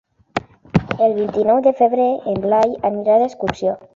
El vint-i-nou de febrer en Blai anirà d'excursió.